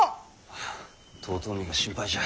はあ遠江が心配じゃ。